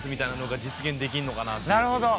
なるほど！